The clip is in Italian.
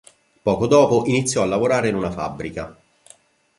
Poco dopo iniziò a lavorare in una fabbrica.